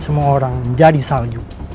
semua orang menjadi salju